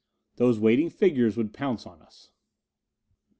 Those waiting figures would pounce on us.